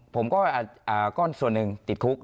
ผมก็ส่วนหนึ่งติดคุก